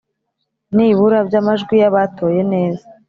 Nibura by amajwi y abatoye neza